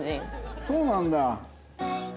そうなんだ。